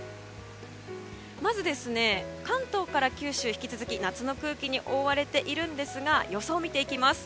まず、関東から九州引き続き夏の空気に覆われているんですが予想を見ていきます。